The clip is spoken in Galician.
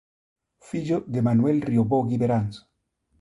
Fillo de Manuel Riobó Guimeráns.